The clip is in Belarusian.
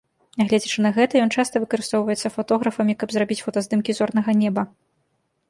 Нягледзячы на гэта, ён часта выкарыстоўваецца фатографамі, каб зрабіць фотаздымкі зорнага неба.